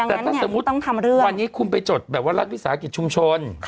แต่ถ้าสมมุติวันนี้คุณไปจดแบบว่ารัฐวิสาหกิจชุมชน